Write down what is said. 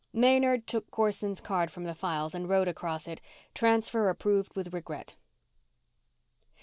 Maynard took Corson's card from the files and wrote across it: _Transfer approved with regret.